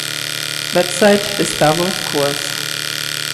Website des Davos Course